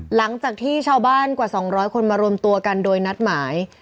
หลังจากที่ชาวบ้านกว่า๒๐๐คนมารวมตัวกันโดยนัดหมาย